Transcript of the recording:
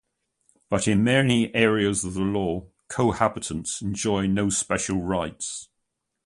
But in many areas of the law cohabitants enjoy no special rights.